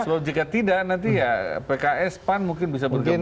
kalau jika tidak nanti ya pks pan mungkin bisa bergabung